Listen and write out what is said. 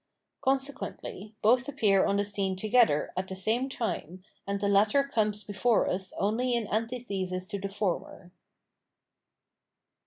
Con sequently both appear on the scene together at the same time, and the latter comes before us only in anti thesis to the former.